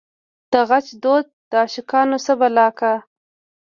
دغچ دود دعاشقانو څه بلا کا